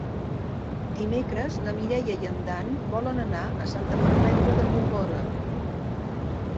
Dimecres na Mireia i en Dan volen anar a Santa Perpètua de Mogoda.